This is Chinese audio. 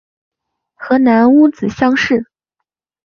河南戊子乡试。